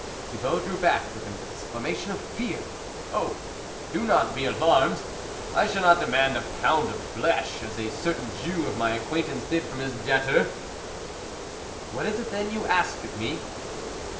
Thibault drew back with an exclama tion of fear. " Oh ! do not be alarmed ! I shall not demand a pound of flesh, as a certain THE WOLF LEADER Jew of my acquaintance did from his debtor." " What is it then you ask of me